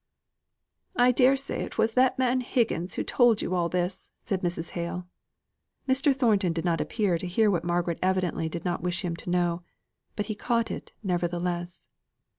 "I dare say it was that man Higgins who told you all this," said Mrs. Hale. Mr. Thornton did not appear to hear what Margaret evidently did not wish him to know. But he caught it nevertheless.